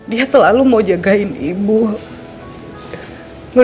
dia tuh orangnya perhatian banget